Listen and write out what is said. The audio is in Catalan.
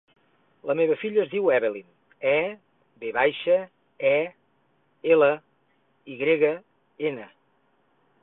La meva filla es diu Evelyn: e, ve baixa, e, ela, i grega, ena.